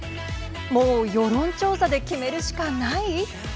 もう世論調査で決めるしかない。